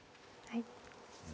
はい。